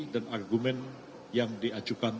dan argumen yang diajukan